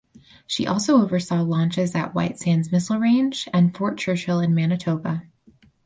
She also oversaw launches at White Sands Missile Range and Fort Churchill in Manitoba.